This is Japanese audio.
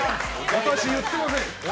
私、言ってません。